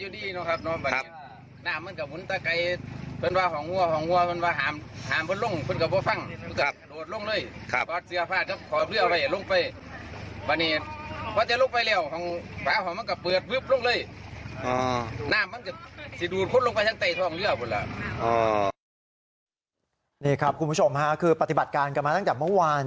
นี่ครับคุณผู้ชมฮะคือปฏิบัติการกันมาตั้งแต่เมื่อวาน